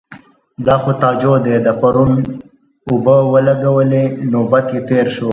_دا خو تاجو دی، ده پرون اوبه ولګولې. نوبت يې تېر شو.